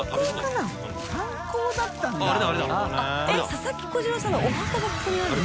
佐々木小次郎さんのお墓がここにあるの？